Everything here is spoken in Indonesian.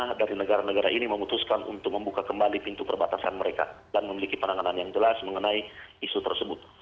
jadi saya berharap dari negara negara ini memutuskan untuk membuka kembali pintu perbatasan mereka dan memiliki penanganan yang jelas mengenai isu tersebut